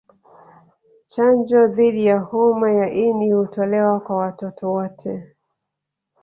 Chanjo dhidi ya homa ya ini hutolewa kwa watoto wote